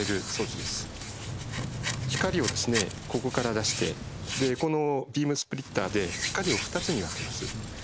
光をここから出してこのビームスプリッターで光を２つに分けます。